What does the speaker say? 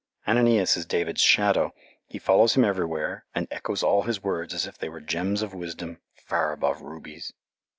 Ananias is David's shadow; he follows him everywhere, and echoes all his words as if they were gems of wisdom, far above rubies.